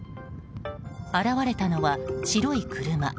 現れたのは白い車。